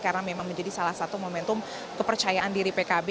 karena memang menjadi salah satu momentum kepercayaan diri pkb